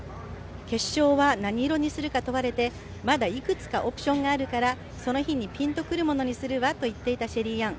決勝は何色にするか問われてまだいくつかオプションがあるからその日にぴんとくるものにするわと言っていたシェリーアン。